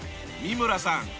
三村さん